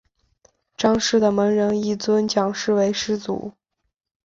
章氏的门人亦尊蒋氏为师祖。